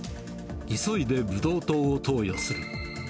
急いでブドウ糖を投与する。